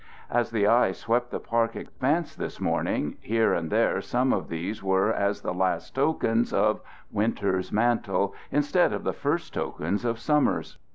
As the eye swept the park expanse this morning, here and there some of these were as the last tokens of winter's mantle instead of the first tokens of summer's.